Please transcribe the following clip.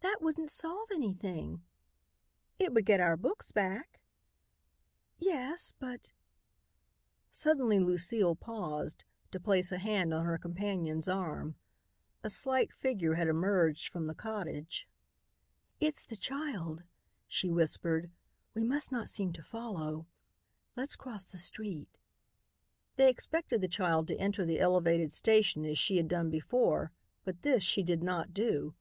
"That wouldn't solve anything." "It would get our books back." "Yes, but " Suddenly Lucile paused, to place a hand on her companion's arm. A slight figure had emerged from the cottage. "It's the child," she whispered. "We must not seem to follow. Let's cross the street." They expected the child to enter the elevated station as she had done before, but this she did not do.